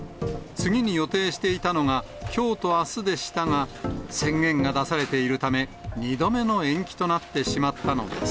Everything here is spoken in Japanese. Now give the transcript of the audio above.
次に予定していたのが、きょうとあすでしたが、宣言が出されているため、２度目の延期となってしまったのです。